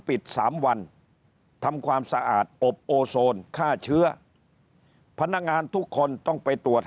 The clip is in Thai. ปิดสามวันทำความสะอาดอบโอโซนฆ่าเชื้อพนักงานทุกคนต้องไปตรวจ